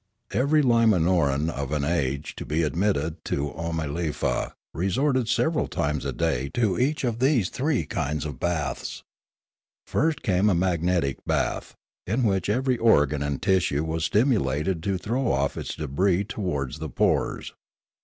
Every Limanoran of an age to be admitted to Ooma lefa resorted several times a day to each of these three kinds of baths. First came a magnetic bath, in which every organ and tissue was stimulated to throw off its debris towards the pores.